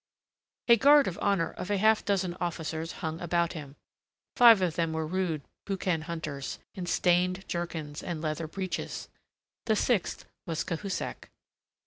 A guard of honour of a half dozen officers hung about him; five of them were rude boucan hunters, in stained jerkins and leather breeches; the sixth was Cahusac.